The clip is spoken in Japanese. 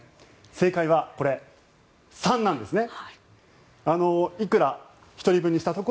正解は、３なんですね。